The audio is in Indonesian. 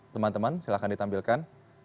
teman teman silahkan ditampilkan